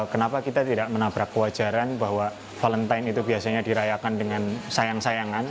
kenapa kita tidak menabrak kewajaran bahwa valentine itu biasanya dirayakan dengan sayang sayangan